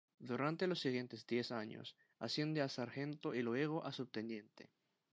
Durante los siguientes diez años asciende a sargento y luego a subteniente.